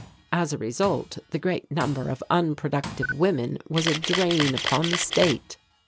As a result the great number of unproductive women was a drain upon the state.